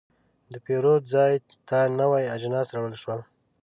د پیرود ځای ته نوي اجناس راوړل شول.